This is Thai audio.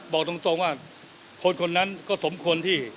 บอกตรงว่าคนคนนั้นก็สมควรที่